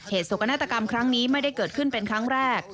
โศกนาฏกรรมครั้งนี้ไม่ได้เกิดขึ้นเป็นครั้งแรก